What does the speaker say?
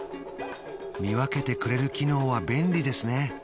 見分けてくれる機能は便利ですね